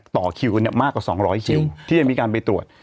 ต่อคิวกันมากกว่า๒๐๐คิวที่จะมีการไปตรวจ